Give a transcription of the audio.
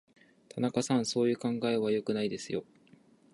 田中さん、そういう考え方は良くないですよ。